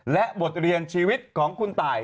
และบทเรียนชีวิตของคุณตาย